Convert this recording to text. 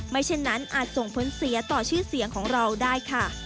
เช่นนั้นอาจส่งผลเสียต่อชื่อเสียงของเราได้ค่ะ